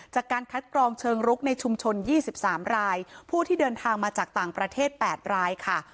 จากการคัดกรองเชิงรุกในชุมชน๒๓รายผู้ที่เดินทางมาจากต่างประเทศ๘รายค่ะ